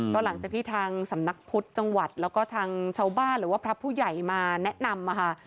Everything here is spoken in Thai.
ก็หลังจากที่ทางสำนักพุทธจังหวัดแล้วก็ทางชาวบ้านหรือว่าพระผู้ใหญ่มาแนะนำค่ะ